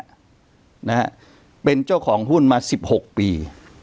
นะฮะเป็นเจ้าของหุ้นมาสิบหกปี